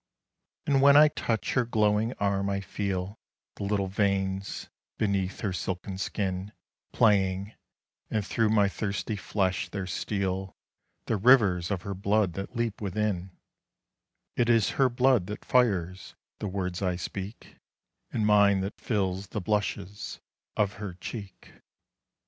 And when I touch her glowing arm I feel The little veins beneath her silken skin Playing, and through my thirsty flesh there steal The rivers of her blood that leap within ; It is her blood that fires the words I speak, And mine that fills the blushes of her cheek.